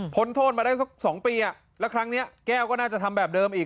โทษมาได้สัก๒ปีแล้วครั้งนี้แก้วก็น่าจะทำแบบเดิมอีก